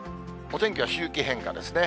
お天気は周期変化ですね。